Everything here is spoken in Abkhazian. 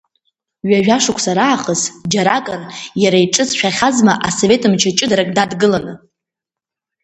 Ҩажәа шықәса раахыс, џьаракыр иара иҿыҵшәахьазма асовет мчы ҷыдарак дадгыланы.